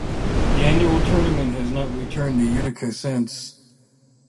The annual tournament has not returned to Utica since.